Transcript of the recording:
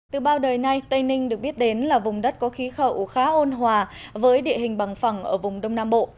từ bao đời nay tây ninh được biết đến là vùng đất có khí hậu khá ôn hòa với địa hình bằng phẳng ở vùng đông nam bộ